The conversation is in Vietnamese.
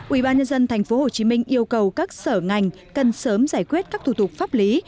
ubnd tp hcm yêu cầu các sở ngành cần sớm giải quyết các thủ tục pháp lý